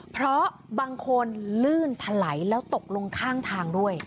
เพราะบางคนลื่นถลายแล้วตกลงข้างทางด้วย